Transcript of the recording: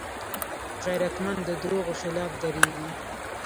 غیرتمند د دروغو خلاف دریږي